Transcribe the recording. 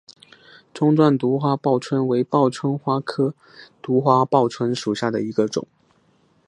钟状独花报春为报春花科独花报春属下的一个种。